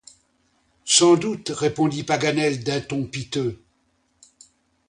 Sans doute, répondit Paganel d’un ton piteux.